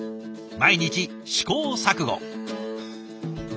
毎日試行錯誤。